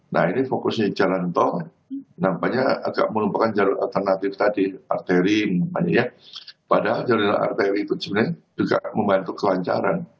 nah ini fokusnya jalan tol nampaknya agak melumpuhkan jalur alternatif tadi arteria padahal jalur arteri itu sebenarnya juga membantu kelancaran